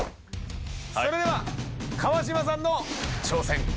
それでは川島さんの挑戦。